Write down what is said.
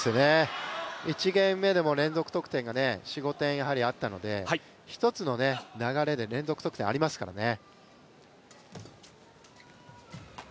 １ゲーム目でも連続得点が４５点あったので、１つの流れで連続得点ありますからね。